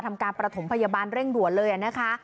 ทำการประถมพยาบาลเร่งด่วนเลยนะคะ